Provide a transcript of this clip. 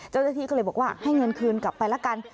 เจ้าหน้าที่ก็เลยบอกว่าให้เงินคืนกลับไปละกัน